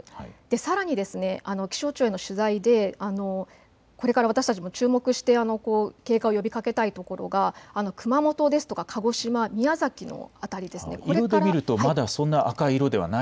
さらに気象庁への取材でこれから私たちも注目して警戒を呼びかけたいところが熊本や鹿児島、宮崎の辺りです。